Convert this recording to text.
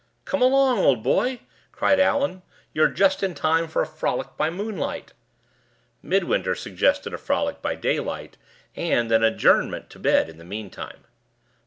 "Come along, old boy!" cried Allan. "You're just in time for a frolic by moonlight!" Midwinter suggested a frolic by daylight, and an adjournment to bed in the meantime.